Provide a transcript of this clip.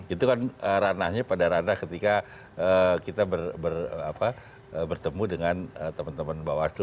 itu kan ranahnya pada ranah ketika kita bertemu dengan teman teman bawaslu